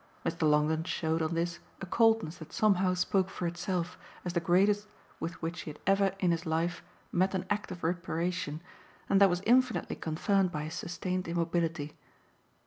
Mr. Longdon showed on this a coldness that somehow spoke for itself as the greatest with which he had ever in his life met an act of reparation and that was infinitely confirmed by his sustained immobility.